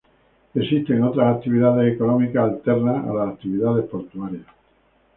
Existen otras actividades económicas alternas a las actividades portuarias.